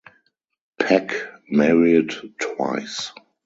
Peck married twice.